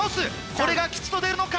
これが吉と出るのか？